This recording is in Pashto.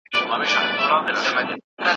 د پوهنې په سکتور کي د ښځو ګډون نه و هڅول سوی.